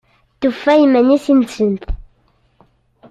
Tufa iman-is yid-sent?